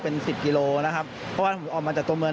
เป็นสิบกิโลนะครับเพราะว่าผมออกมาจากตัวเมือง